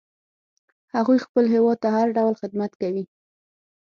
هغوی خپل هیواد ته هر ډول خدمت کوي